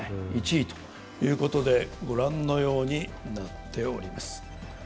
１位ということで、ご覧のようになっています。